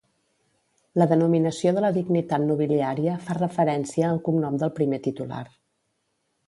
La denominació de la dignitat nobiliària fa referència al cognom del primer titular.